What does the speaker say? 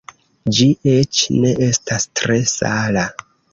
Ĝi eĉ ne estas tre sala.